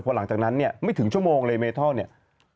พอหลังจากนั้นเนี่ยไม่ถึงชั่วโมงเลยเมทัลเนี่ย